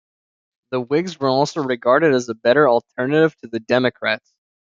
The Whigs were also regarded as a better alternative to the Democrats.